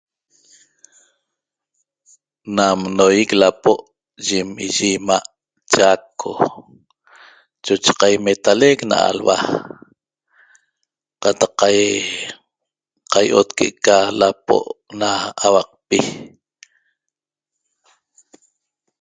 Nam noýic lapo' yim iyi 'ima' Chaco choche qaimetalec na alhua qataq qai'ot que'eca lapo' na auaqpi